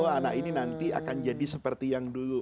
anak ini nanti akan jadi seperti yang dulu